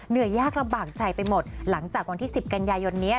เหนื่อยยากระบางใจไปหมดหลังจากวันที่สิบกันยายนเนี้ย